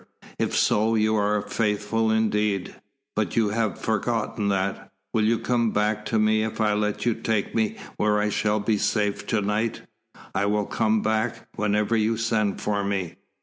If so, you are faithful indeed. But you have forgotten that. Will you come back to me if I let you take me where I shall be safe to night?" "I will come back whenever you send for me."